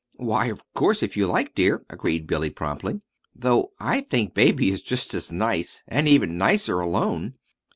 "Why, of course, if you like, dear," agreed Billy, promptly, "though I think Baby is just as nice, and even nicer, alone."